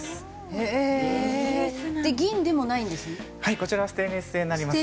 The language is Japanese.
こちらステンレス製になります。